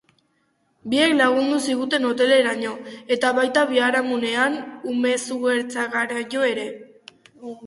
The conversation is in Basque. Biek lagundu ziguten hoteleraino, eta baita biharamunean umezurztegiraino ere.